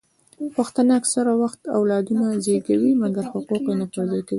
پښتانه اکثریت اولادونه زیږوي مګر حقوق یې نه پر ځای کوي